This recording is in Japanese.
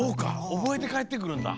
おぼえてかえってくるんだ。